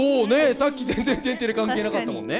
さっき全然「天てれ」関係なかったもんね。